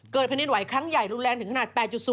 แผ่นดินไหวครั้งใหญ่รุนแรงถึงขนาด๘๐